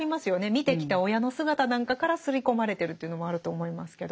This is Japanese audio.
見てきた親の姿なんかから刷り込まれてるというのもあると思いますけど。